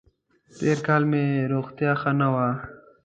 تېر کال مې روغتیا ښه نه وه.